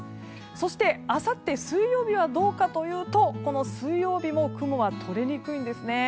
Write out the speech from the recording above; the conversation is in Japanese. そして、あさって水曜日はどうかというとこの水曜日も雲は取れにくいんですね。